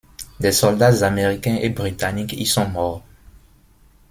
Des soldats américains et britanniques y sont morts.